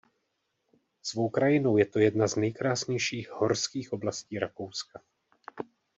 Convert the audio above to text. Svou krajinou je to jedna z nejkrásnějších horských oblastí Rakouska.